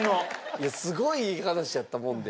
いやすごい話やったもんで。